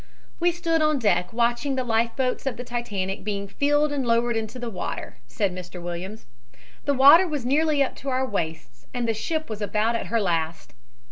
"We stood on deck watching the life boats of the Titanic being filled and lowered into the water," said Mr. Williams. "The water was nearly up to our waists and the ship was about at her last.